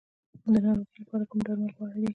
د ناروغۍ لپاره کوم درمل غوره دي؟